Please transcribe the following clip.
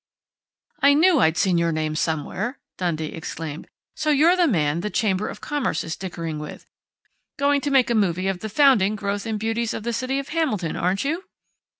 "I knew I'd seen your name somewhere!" Dundee exclaimed. "So you're the man the Chamber of Commerce is dickering with.... Going to make a movie of the founding, growth and beauties of the city of Hamilton, aren't you?"